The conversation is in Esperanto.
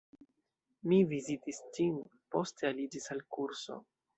Mi vizitis ĝin, poste aliĝis al kurso.